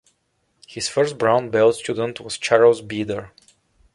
His first brown-belt student was Charles Beeder.